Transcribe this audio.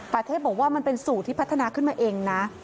ประเทศบอกว่ามันเป็นสูตรที่พัฒนาขึ้นมาเองนะ